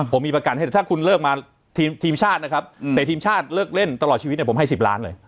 ผมมีประกันให้แต่ถ้าคุณเลิกมาทีมชาตินะครับ